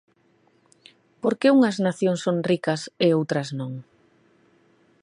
Por que unhas nacións son ricas e outras non?